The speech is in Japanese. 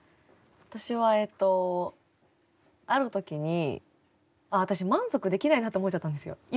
私はえっとある時に「私満足できないな」って思っちゃったんですよ